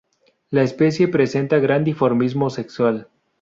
La especie presenta gran dimorfismo sexual.